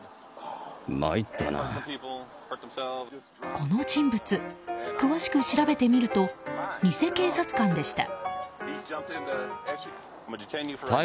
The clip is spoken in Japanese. この人物、詳しく調べてみると偽警察官でした。